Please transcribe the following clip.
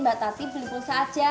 mbak tati beli pulsa aja